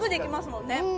もんね